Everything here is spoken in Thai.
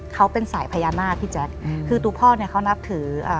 เขาเป็นสายพญานาศพี่แจ๊ะคือตุพ่อเนี่ยเขานับถือ